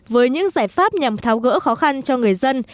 với những giải pháp nhằm tháo gỡ khó khăn cho người dân